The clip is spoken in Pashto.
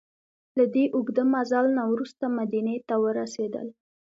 له دې اوږده مزل نه وروسته مدینې ته ورسېدل.